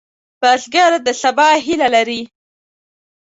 بزګر د سبا هیله لري